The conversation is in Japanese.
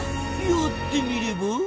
やってみれば？